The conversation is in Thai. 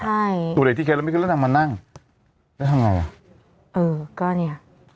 ใช่ตัวเด็กที่เคสแล้วไม่ขึ้นแล้วนำมานั่งแล้วทำไงอ่ะเออก็เนี้ย